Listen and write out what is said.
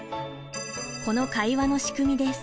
この会話の仕組みです。